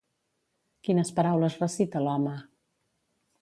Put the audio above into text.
Quines paraules recita l'home?